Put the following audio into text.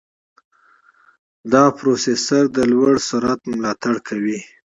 دا پروسېسر د لوړ سرعت ملاتړ کوي.